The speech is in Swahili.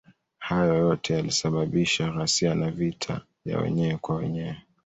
Hayo yote yalisababisha ghasia na vita ya wenyewe kwa wenyewe.